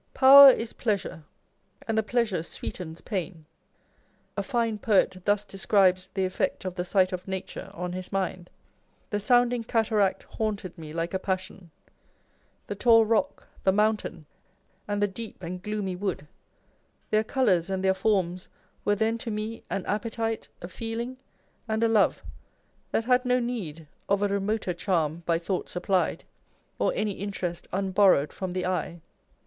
Power is pleasure ; and pleasure sweetens pain. A fine poet thus describes the effect of the sight of nature on his mind : The sounding cataract Haunted me like a passion : the tall rock, The mountain, and the deep and gloomy wood, Their colours and their forms were then to me An appetite, a feeling, and a love, That had no need of a remoter charm By thought supplied, or any interest Unborrowed from the eye.